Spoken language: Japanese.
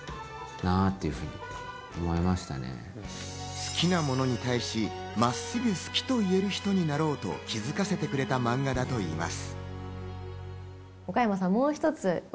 好きなものに対し、まっすぐ好きと言える人になろうと、気づかせてくれた漫画だといいます。